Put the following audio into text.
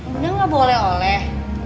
bunda gak boleh oleh